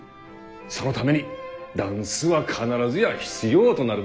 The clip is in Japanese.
そのためにダンスは必ずや必要となるものです。